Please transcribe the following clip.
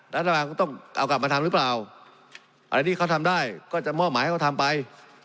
รัฐบาลก็ต้องเอากลับมาทำหรือเปล่าอะไรที่เขาทำได้ก็จะมอบหมายให้เขาทำไป